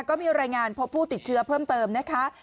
ก็มีรายงานพบผู้ติดเชื้อเพิ่มเติมนะคะ